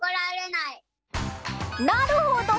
なるほど！